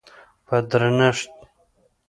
په درنښت